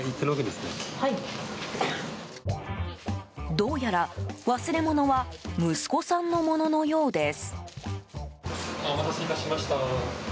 どうやら、忘れ物は息子さんのもののようです。